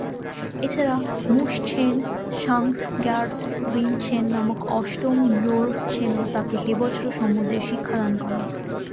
এছাড়া মুস-ছেন-সাংস-র্গ্যাস-রিন-ছেন নামক অষ্টম ঙ্গোর-ছেনও তাকে হেবজ্র সম্বন্ধে শিক্ষাদান করেন।